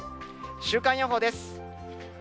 週間予報です。